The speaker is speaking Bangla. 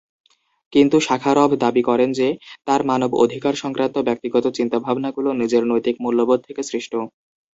কিন্তু শাখারভ দাবী করেন যে, তার মানব অধিকার সংক্রান্ত ব্যক্তিগত চিন্তা-ভাবনাগুলো নিজের নৈতিক মূল্যবোধ থেকে সৃষ্ট।